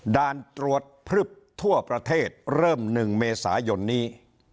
ด่านตรวจพลึบทั่วประเทศเริ่ม๑เมษายนนี้